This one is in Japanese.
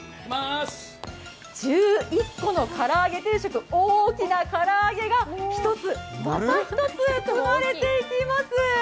１１個の唐揚げ定食、大きな唐揚げが１つ、また１つ、積まれています。